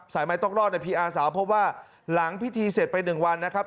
ไม้ต้องรอดในพีอาสาวพบว่าหลังพิธีเสร็จไป๑วันนะครับ